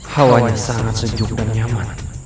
hawanya sangat sejuk dan nyaman